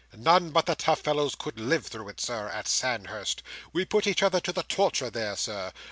None but the tough fellows could live through it, Sir, at Sandhurst. We put each other to the torture there, Sir.